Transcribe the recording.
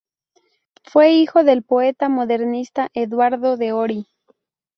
Fue hijo del poeta modernista Eduardo de Ory.